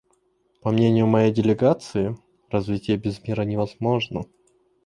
По мнению моей делегации, развитие без мира невозможно.